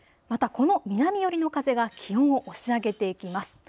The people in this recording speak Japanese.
またこの南寄りの風が気温を押し上げていきます。